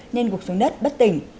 nên gục xuống đất bất tỉnh